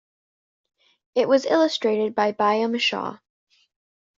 It was illustrated by Byam Shaw.